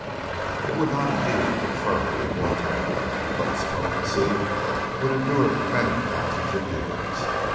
It would not indeed confer immortality, but its potency would endure for many thousands of years.